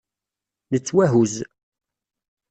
Nettwahuzz.